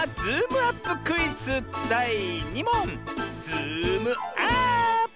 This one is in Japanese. ズームアーップ！